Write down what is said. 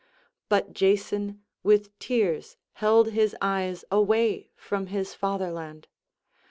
But Jason with tears held his eyes away from his fatherland.